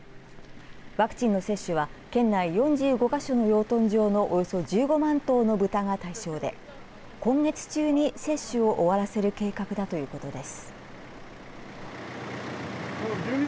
ワクチンの接種は県内４５か所の養豚場のおよそ１５万頭の豚が対象で今月中に接種を終わらせる計画だということです。